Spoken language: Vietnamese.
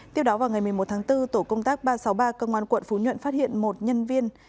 tiếp đó vào ngày một mươi một tháng bốn tổ công tác ba trăm sáu mươi ba công an quận phú nhuận phát hiện một nhân viên